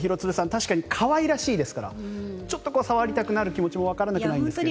確かに可愛らしいですからちょっと触りたくなる気持ちもわからなくないんですが。